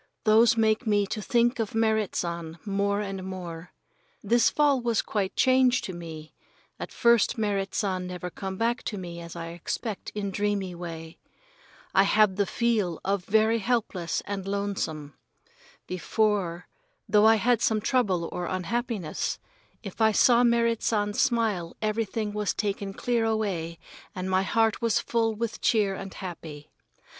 Those make me to think of Merrit San more and more. This fall was quite changed to me. At first Merrit San never come back to me as I expect in dreamy way. I have the feel of very helpless and lonesome. Before, though I had some trouble or unhappiness, if I saw Merrit San's smile everything was taken clear away and my heart was full with cheer and happy.